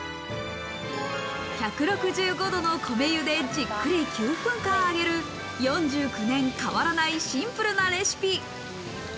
１６５度の米油でじっくり９分間揚げる、４９年変わらないシンプルなレシピ。